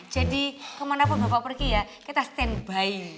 jadi kemana pun bapak pergi ya kita stand by